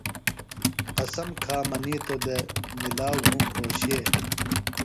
قسم کھا منِیتو دےۡ مِلاؤ بُھوم رھوشے۔